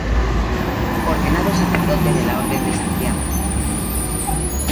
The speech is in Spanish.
Ordenado sacerdote de la orden de Santiago.